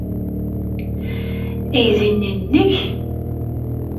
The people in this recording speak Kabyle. Aydi-nni nnek?